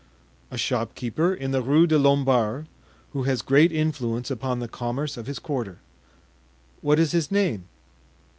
"A shopkeeper in the Rue des Lombards, who has great influence upon the commerce of his quarter." "What is his name?"